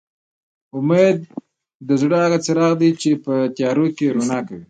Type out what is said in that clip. اميد د زړه هغه څراغ دي چې په تيارو کې رڼا کوي